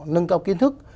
tăng cao kiến thức